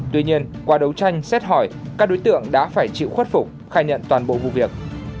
tuy nhiên qua đấu tranh xét hỏi các đối tượng đã phải chịu khuất phục khai nhận toàn bộ vụ việc